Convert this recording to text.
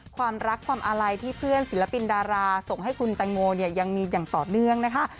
ความรักความอาลัยที่เพื่อนศิลปินดาราส่งให้คุณแตงโมเนี่ยยังมีอย่างต่อเนื่องนะคะ